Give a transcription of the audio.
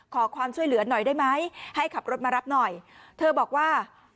ขอความช่วยเหลือหน่อยได้ไหมให้ขับรถมารับหน่อยเธอบอกว่า